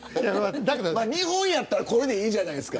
日本やったら、これでいいじゃないですか。